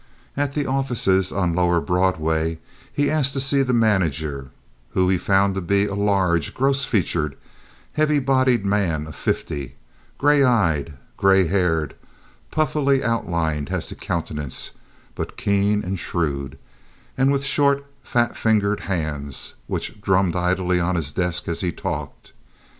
At the offices on lower Broadway, he asked to see the manager, whom he found to be a large, gross featured, heavy bodied man of fifty, gray eyed, gray haired, puffily outlined as to countenance, but keen and shrewd, and with short, fat fingered hands, which drummed idly on his desk as he talked.